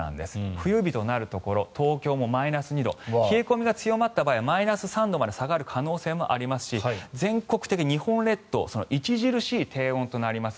冬日となるところ東京もマイナス２度冷え込みが強まった場合はマイナス３度まで下がる可能性もありますし全国的、日本列島著しい低温となります。